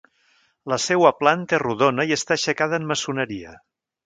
La seua planta és rodona i està aixecada en maçoneria.